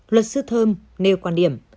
luật sư thơm nêu quan điểm